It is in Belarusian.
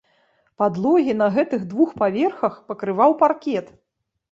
Падлогі на гэтых двух паверхах пакрываў паркет.